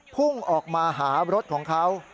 พุ่งออกมาหารถของเขา